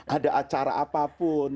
ada acara apapun